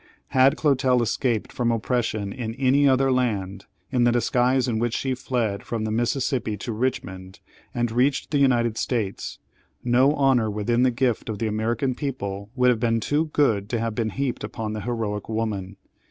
Had Clotel escaped from oppression in any other land, in the disguise in which she fled from the Mississippi to Richmond, and reached the United States, no honour within the gift of the American people would have been too good to have been heaped upon the heroic woman.